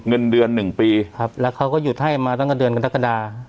เงินเดือนหนึ่งปีครับแล้วเขาก็หยุดให้มาตั้งแต่เดือนกรกฎา